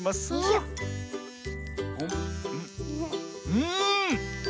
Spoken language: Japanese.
うん！